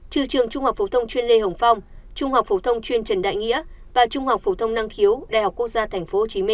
trừ trường trung học phổ thông chuyên lê hồng phong trung học phổ thông chuyên trần đại nghĩa và trung học phổ thông năng khiếu đại học quốc gia tp hcm